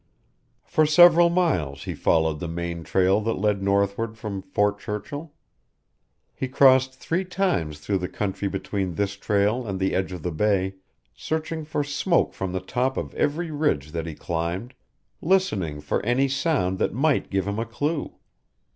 For several miles he followed the main trail that led northward from Fort Churchill. He crossed three times through the country between this trail and the edge of the Bay, searching for smoke from the top of every ridge that he climbed, listening for any sound that might give him a clue.